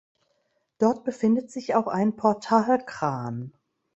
Dort befindet sich auch ein Portalkran.